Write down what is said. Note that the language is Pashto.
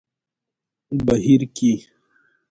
بهير کې